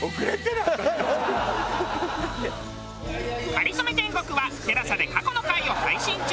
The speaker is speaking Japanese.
『かりそめ天国』はＴＥＬＡＳＡで過去の回を配信中。